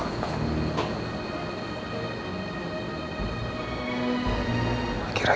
nanti aku akan kasih tau